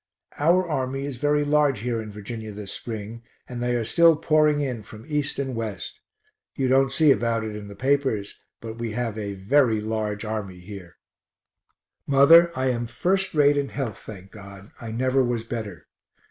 Our army is very large here in Virginia this spring, and they are still pouring in from east and west. You don't see about it in the papers, but we have a very large army here. Mother, I am first rate in health, thank God; I never was better.